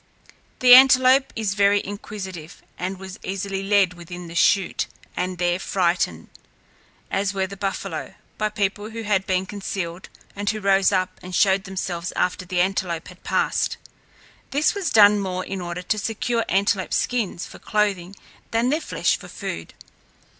The antelope is very inquisitive and was easily led within the chute and there frightened, as were the buffalo, by people who had been concealed and who rose up and showed themselves after the antelope had passed. This was done more in order to secure antelope skins for clothing than their flesh for food.